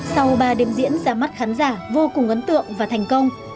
sau ba đêm diễn ra mắt khán giả vô cùng ấn tượng và thành công